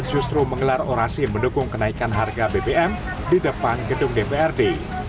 justru mengelar orasi mendukung kenaikan harga bbm di depan gedung dprd